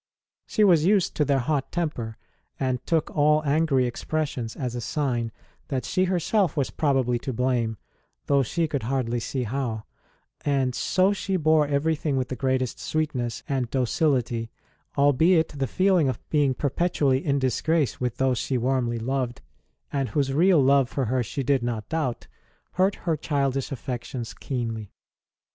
She was used to their hot temper, and took all angry expres sions as a sign that she herself was probably to blame, though she could hardly see how; and so she bore everything with the greatest sweetness and docility, albeit the feeling of being perpetually in disgrace with those she warmly loved, and whose real love for her she did not doubt, hurt her childish affections keenly.